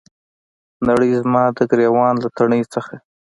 نړۍ زما د ګریوان له تڼۍ څخه